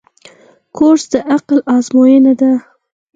کورس د عقل آزموینه ده.